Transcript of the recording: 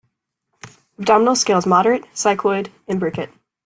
Abdominal scales moderate, cycloid, imbricate.